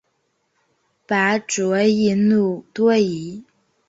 拔灼易怒多疑。